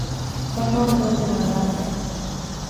Kondoo mbuzi na ngombe